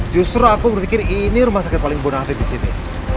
justru aku berpikir ini rumah sakit paling bonafit disini